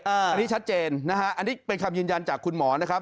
อันนี้ชัดเจนนะฮะอันนี้เป็นคำยืนยันจากคุณหมอนะครับ